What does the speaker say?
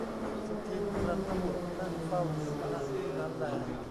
สุทินน์กลันทบุตรนั่งเฝ้าอยู่ ณ ที่นั้นแล